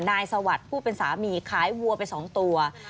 นายสวัสตร์ผู้เป็นสามีขายวัวเป็นสองตัว